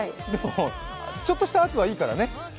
ちょっとした圧はいいからね。